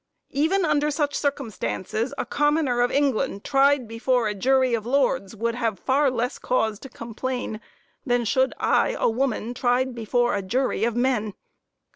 Even, under such circumstances, a commoner of England, tried before a jury of Lords, would have far less cause to complain than should I, a woman, tried before a jury of men.